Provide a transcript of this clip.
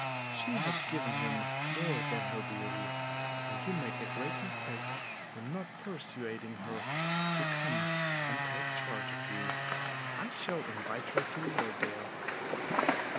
She has given him more than her beauty, and you make a great mistake in not persuading her to come and take charge of you. I shall invite her to Lorridaile."